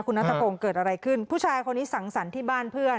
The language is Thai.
คุณนัทพงศ์เกิดอะไรขึ้นผู้ชายคนนี้สังสรรค์ที่บ้านเพื่อน